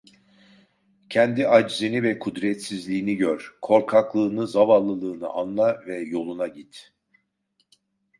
Kendi aczini ve kudretsizliğini gör, korkaklığını, zavallılığını anla ve yoluna git…